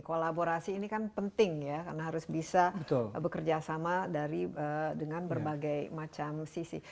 kolaborasi ini kan penting ya karena harus bisa bekerja sama dengan berbagai macam sisi